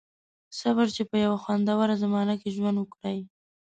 • صبر، چې په یوه خوندوره زمانه کې ژوند وکړئ.